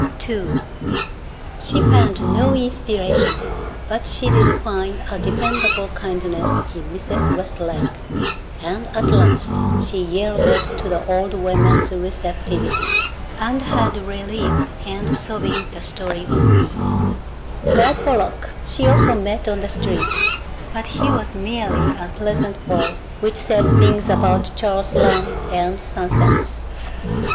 II She found no inspiration but she did find a dependable kindness in Mrs. Westlake, and at last she yielded to the old woman's receptivity and had relief in sobbing the story of Bea. Guy Pollock she often met on the street, but he was merely a pleasant voice which said things about Charles Lamb and sunsets.